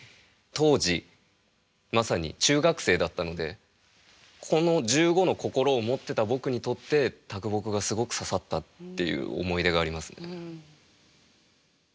当時まさに中学生だったのでこの「十五の心」を持ってた僕にとって啄木がすごく刺さったっていう思い出がありますね。